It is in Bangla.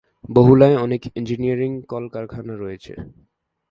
বহুলায় অনেক ইঞ্জিনিয়ারিং কলকারখানা রয়েছে।